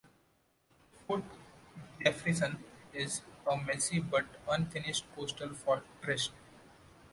Fort Jefferson is a massive but unfinished coastal fortress.